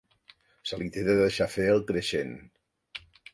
Se li té de deixar fer el creixent.